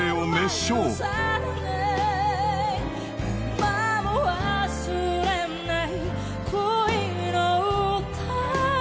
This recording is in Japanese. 今も忘れない恋の歌